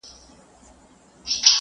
صمد خان بابا د چا په لمسون ومړ